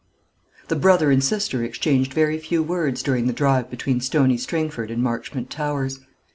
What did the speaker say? The brother and sister exchanged very few words during the drive between Stony Stringford and Marchmont Towers.